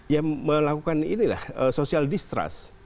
ya melakukan ini lah social distrust